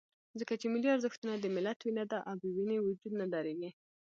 ځکه چې ملي ارزښتونه د ملت وینه ده، او بې وینې وجود نه درېږي.